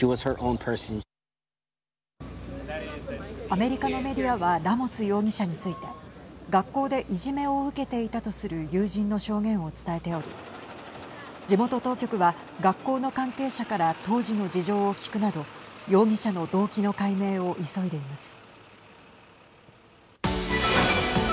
アメリカのメディアはラモス容疑者について学校で、いじめを受けていたとする友人の証言を伝えており地元当局は、学校の関係者から当時の事情を聴くなど容疑者の動機の解明を急いでいます。